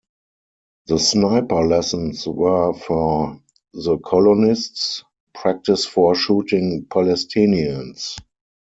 The sniper lessons were for the colonists, practice for shooting Palestinians.